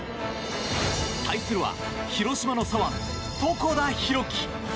対するは広島の左腕、床田寛樹。